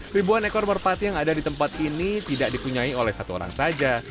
ribuan ekor merpati yang ada di tempat ini tidak dipunyai oleh satu orang saja